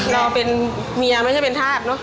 เราเป็นเมียไม่ใช่เป็นธาตุเนอะ